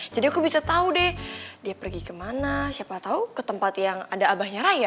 jadi aku bisa tau deh dia pergi kemana siapa tau ke tempat yang ada abahnya raya